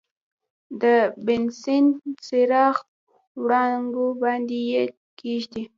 د بنسن چراغ وړانګو باندې یې کیږدئ.